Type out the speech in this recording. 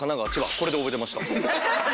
これで覚えてました。